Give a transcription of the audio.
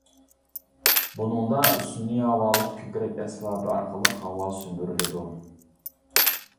بۇنىڭدا سۈنئىي ھاۋالىق كۆكرەك ئەسۋابى ئارقىلىق ھاۋا سۈمۈرۈلىدۇ.